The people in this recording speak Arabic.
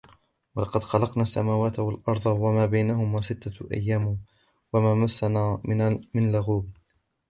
ولقد خلقنا السماوات والأرض وما بينهما في ستة أيام وما مسنا من لغوب